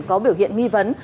có biểu hiện nghi vấn